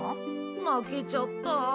負けちゃった。